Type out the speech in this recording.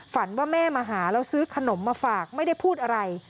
ฝันว่าแม่มาหาแล้วซื้อขนมมาฝากไม่ได้พูดอะไร